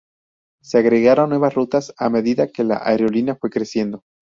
Se agregaron nuevas rutas a medida que la aerolínea fue creciendo.